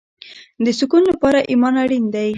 د سکون لپاره ایمان اړین دی